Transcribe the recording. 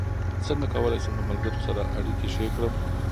څنګه کولی شم د ملګرو سره اړیکې ښې کړم